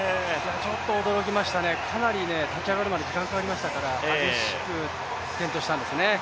ちょっと驚きましたね、かなり立ち上がるまでに時間がかかりましたから激しく転倒したんですね。